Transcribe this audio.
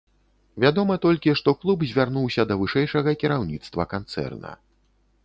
Вядома толькі, што клуб звярнуўся да вышэйшага кіраўніцтва канцэрна.